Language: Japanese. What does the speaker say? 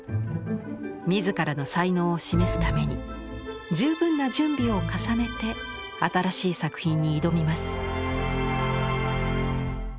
自らの才能を示すために十分な準備を重ねて新しい作品に挑みます。